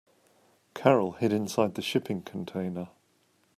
Carol hid inside the shipping container.